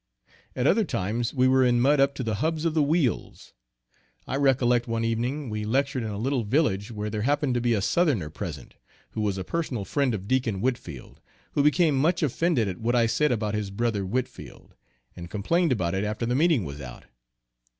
At other times we were in mud up to the hubs of the wheels. I recollect one evening, we lectured in a little village where there happened to be a Southerner present, who was a personal friend of Deacon Whitfield, who became much offended at what I said about his "Bro. Whitfield," and complained about it after the meeting was out.